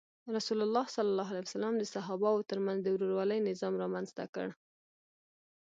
رسول الله د صحابه وو تر منځ د ورورولۍ نظام رامنځته کړ.